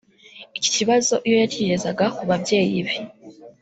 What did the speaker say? Iki kibazo iyo yakigezaga ku babyeyi be